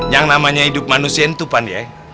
yang namanya hidup manusia itu pan ya